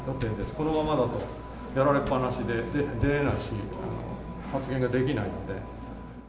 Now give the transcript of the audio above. このままだとやられっぱなしで出れないし、発言ができないので。